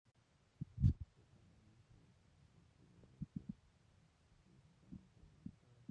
Frecuentemente este soporte debe ser explícitamente habilitado.